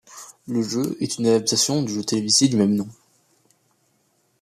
Le jeu est une adaptation du jeu télévisé du même nom.